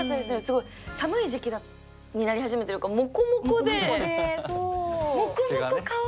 すごい寒い時期になり始めてるからもこもこで。